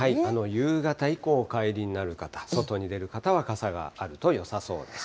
夕方以降、お帰りになる方、外に出る方は傘があるとよさそうです。